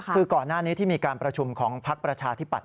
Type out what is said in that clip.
คือก่อนหน้านี้ที่มีการประชุมของพักประชาธิปัตย